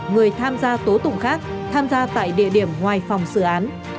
người tham gia tố tụng khác tham gia tại địa điểm ngoài phòng xử án